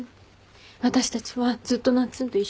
私たちはずっとなっつんと一緒だよ。